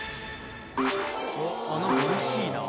何かうれしいな。